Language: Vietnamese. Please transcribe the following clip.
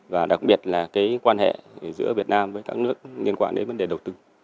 và đặc biệt là cái quan hệ giữa việt nam với các nước liên quan đến vấn đề đầu tư